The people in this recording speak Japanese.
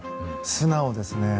素直ですね。